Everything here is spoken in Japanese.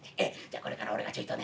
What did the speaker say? これから俺がちょいとね